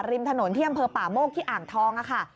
ริมถนนเที่ยงเผอร์ป่ามกที่อ่างทองอะค่ะ